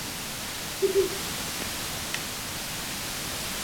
Musí však probíhat na jiném základě.